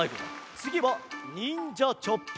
つぎはにんじゃチョップ。